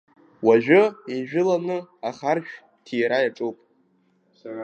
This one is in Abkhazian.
Уажәы еижәыланы ахаршә ҭира иаҿуп.